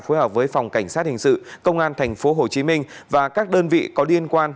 phối hợp với phòng cảnh sát hình sự công an thành phố hồ chí minh và các đơn vị có liên quan